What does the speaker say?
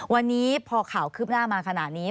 วันนี้พอข่าวคืบหน้ามาขนาดนี้